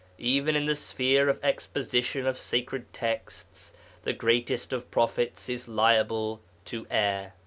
Even in the sphere of exposition of sacred texts the greatest of prophets is liable to err.